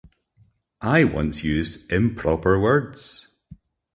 I once used improper words.